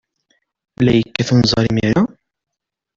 La yekkat unẓar imir-a?